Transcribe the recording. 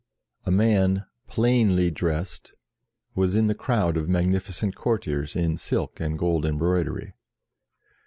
A man plainly dressed was in the crowd of magnificent courtiers in silk and gold embroidery.